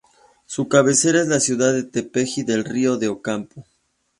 Su cabecera es la ciudad de Tepeji del Río de Ocampo.